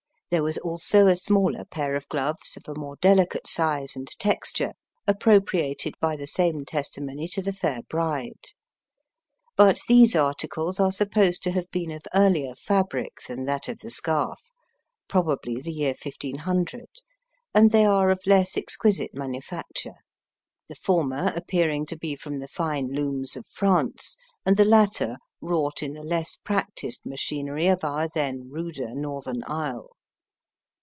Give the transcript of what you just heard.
There was also a smaller pair of gloves, of a more delicate size and texture, appropriated by the same testimony to the fair bride. But these articles are supposed to have been of earlier fabric than that of the scarf probably the year 1500 and they are of less exquisite manufacture; the former appearing to be from the fine looms of France, and the latter wrought in the less practiced machinery of our then ruder northern isle.